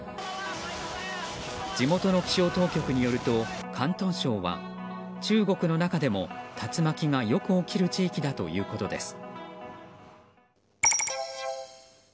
地元の気象当局によると広東省は中国の中でも、竜巻がよく起こる地域だということです。